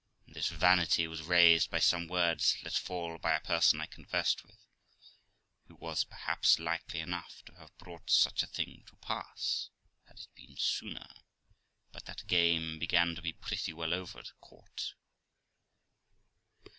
And this vanity was raised THE LIFE OF ROXANA 295 by some words let fall by a person I conversed with, who was, perhaps, likely enough to have brought such a thing to pass, had it been sooner ; but that game began to be pretty well over at court.